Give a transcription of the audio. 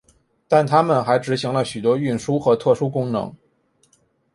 但他们还执行了许多运输和特殊功能。